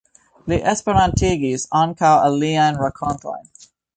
Li esperantigis ankaŭ aliajn rakontojn.